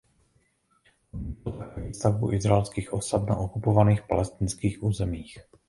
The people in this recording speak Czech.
Odmítl také výstavbu izraelských osad na okupovaných palestinských územích.